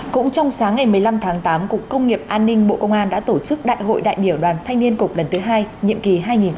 cũng trong sáng ngày một mươi năm tháng tám cục công nghiệp an ninh bộ công an đã tổ chức đại hội đại biểu đoàn thanh niên cục lần thứ hai nhiệm kỳ hai nghìn hai mươi hai nghìn hai mươi bốn